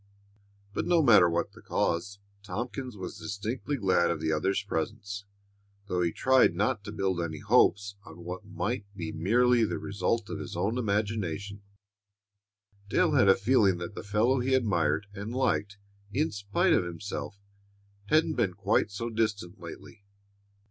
But no matter what the cause, Tompkins was distinctly glad of the other's presence. Though he tried not to build any hopes on what might be merely the result of his own imagination, Dale had a feeling that the fellow he admired and liked in spite of himself hadn't been quite so distant lately.